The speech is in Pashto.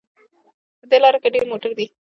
په دې لاره کې ډېر موټر دي